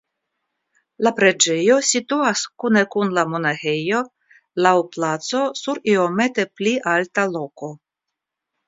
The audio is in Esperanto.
La preĝejo situas kune kun la monaĥejo laŭ placo sur iomete pli alta loko.